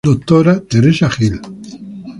Doctora Teresa Gil